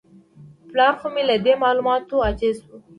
پلار خو مې له دې معلوماتو عاجز و.